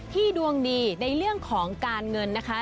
ดวงดีในเรื่องของการเงินนะคะ